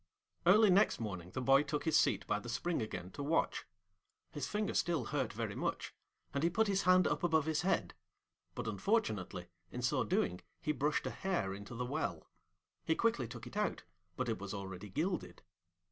Early next morning the boy took his seat by the spring again to watch. His finger still hurt very much, and he put his hand up above his head; but, unfortunately, in so doing he brushed a hair into the well. He quickly took it out, but it was already gilded.